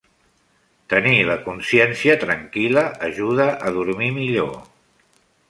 Tenir la consciència tranquil·la ajuda a dormir millor.